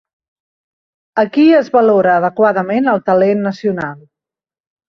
Aquí es valora adequadament el talent nacional.